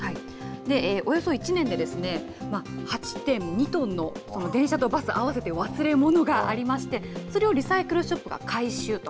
およそ１年でですね、８．２トンの、その電車とバス合わせて、忘れ物がありまして、それをリサイクルショップが回収と。